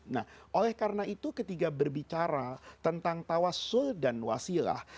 nah oleh karena itu ketika berbicara tentang tawassul dan wasilah